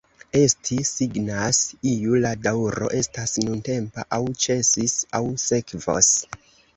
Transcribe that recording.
Esti signas, iu la daŭro estas nuntempa, aŭ ĉesis, aŭ sekvos.